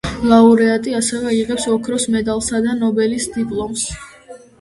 ლაურეატი ასევე იღებს ოქროს მედალსა და ნობელის დიპლომს.